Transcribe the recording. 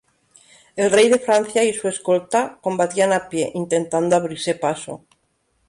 El rey de Francia y su escolta combatían a pie, intentando abrirse paso.